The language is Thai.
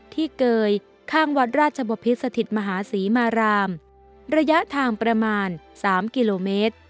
เกยข้างวัดราชบพิษสถิตมหาศรีมารามระยะทางประมาณ๓กิโลเมตร